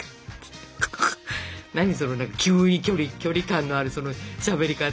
何その急に距離感のあるそのしゃべり方。